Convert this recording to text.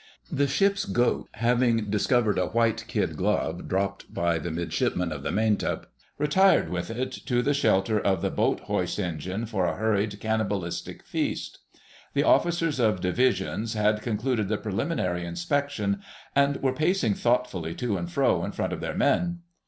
The ship's goat, having discovered a white kid glove dropped by the Midshipman of the Maintop, retired with it to the shelter of the boat hoist engine for a hurried cannibalistic feast. The Officers of Divisions had concluded the preliminary inspection, and were pacing thoughtfully to and fro in front of their men.